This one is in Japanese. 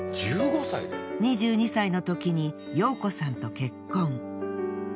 ２２歳のときに陽子さんと結婚。